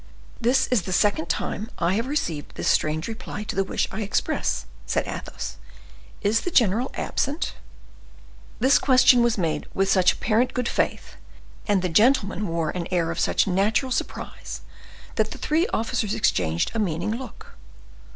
"This is the second time I have received this strange reply to the wish I express," said Athos. "Is the general absent?" This question was made with such apparent good faith, and the gentleman wore an air of such natural surprise, that the three officers exchanged a meaning look.